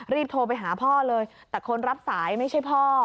รีบโทรไปหาพ่อเลยแต่คนรับสายไม่ใช่พ่อ